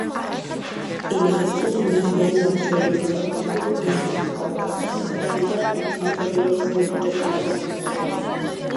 ინარის სულს მიიჩნევენ მარცვლეულის, განსაკუთრებით ბრინჯის მფარველად, და შესაბამისაც ის ისტორიულად სიმდიდრესთან ასოცირდებოდა.